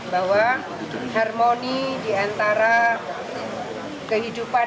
bahwa harmoni di antara kehidupan